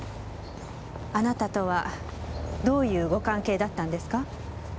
あなたとはどういうご関係だったんですか？